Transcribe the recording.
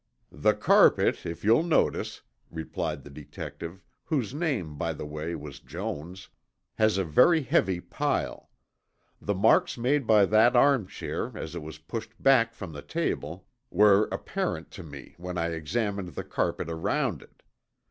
"The carpet, if you'll notice," replied the detective, whose name, by the way, was Jones, "has a very heavy pile. The marks made by that arm chair as it was pushed back from the table were apparent to me when I examined the carpet around it.